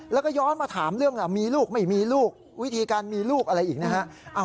แล้วก็ย้อนมาถามเรื่องมีลูกไม่มีลูกวิธีการมีลูกอะไรอีกนะฮะ